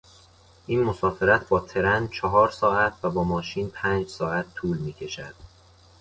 این مسافرت با ترنچهار ساعت و با ماشین پنج ساعت طول میکشد.